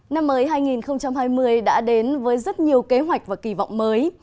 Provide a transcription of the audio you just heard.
năm mới hai nghìn hai mươi đã đến với rất nhiều kế hoạch và kỳ vọng mới